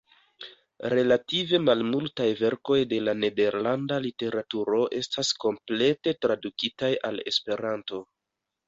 Relative malmultaj verkoj de la nederlanda literaturo estas komplete tradukitaj al Esperanto.